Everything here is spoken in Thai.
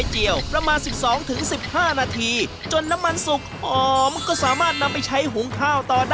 โอเคเข้าครัวกันค่ะ